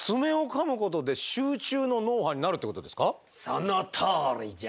そのとおりじゃ。